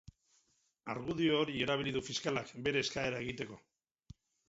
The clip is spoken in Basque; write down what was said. Argudio hori erabili du fiskalak bere eskaera egiteko.